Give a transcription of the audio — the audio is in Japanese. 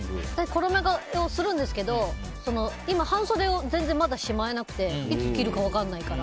衣替えをするんですけど今、全然まだ半袖をしまえなくていつ着るか分からないから。